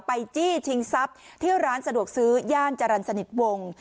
จี้ชิงทรัพย์ที่ร้านสะดวกซื้อย่านจรรย์สนิทวง